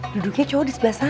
duduknya cowok di sebelah sana